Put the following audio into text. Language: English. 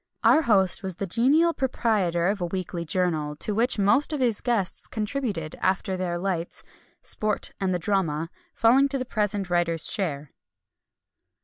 Our host was the genial proprietor of a weekly journal, to which most of his guests contributed, after their lights; "sport and the drama" falling to the present writer's share.